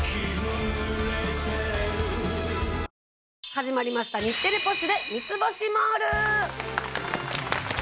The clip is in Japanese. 始まりました『日テレポシュレ三ツ星モール』。